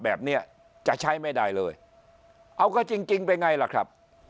แบบนี้จะใช้ไม่ได้เลยเอาก็จริงจริงเป็นไงล่ะครับ